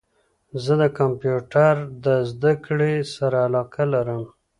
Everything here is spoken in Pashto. زه د کمپیوټرد زده کړي سره علاقه لرم